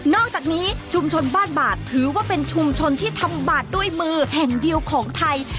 อกจากนี้ชุมชนบ้านบาดถือว่าเป็นชุมชนที่ทำบาดด้วยมือแห่งเดียวของไทย